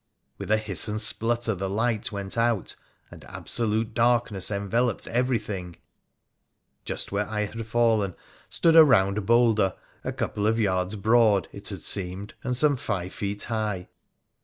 With a hiss and a splutter the light went out, and absolute darkness enveloped everything 1 Just where I had fallen stood a round boulder, a couple of yards broad, it had seemed, and some five feet high.